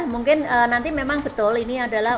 mungkin nanti memang betul ini adalah